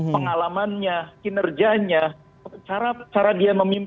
pengalamannya kinerjanya cara dia memimpin tim cara dia melatih pemain